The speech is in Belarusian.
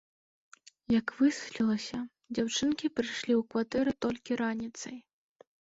Як высветлілася, дзяўчынкі прыйшлі ў кватэру толькі раніцай.